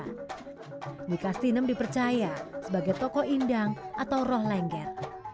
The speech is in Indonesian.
nyikastinem dipercaya sebagai tokoh indang atau roh lengger